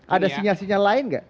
ada sinyal sinyal lain nggak